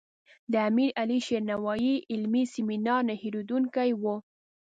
د امیر علي شیر نوایي علمي سیمینار نه هیریدونکی و.